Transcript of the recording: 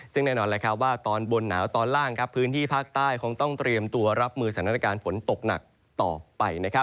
ซึ่งแน่นอนว่าตอนบนหนาวตอนล่างพื้นที่ภาคใต้คงต้องเตรียมตัวรับมือสถานการณ์ฝนตกหนักต่อไป